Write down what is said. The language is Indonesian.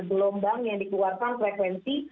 gelombang yang dikeluarkan frekuensi